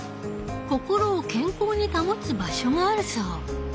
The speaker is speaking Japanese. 心を健康に保つ場所があるそう。